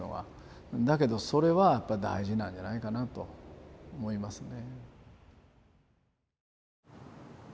だけどそれは大事なんじゃないかなと思いますね。